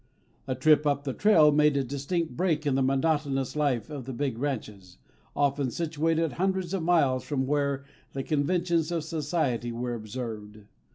A trip up the trail made a distinct break in the monotonous life of the big ranches, often situated hundreds of miles from where the conventions of society were observed.